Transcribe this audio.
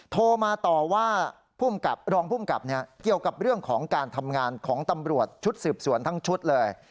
โทรมาต่อว่าภูมิกับรองภูมิกับเกี่ยวกับเรื่องของการทำงานของตำรวจชุดสืบสวนทั้งชุดเลย